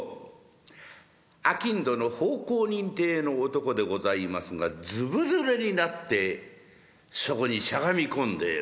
商人の奉公人体の男でございますがずぶぬれになってそこにしゃがみ込んでいる。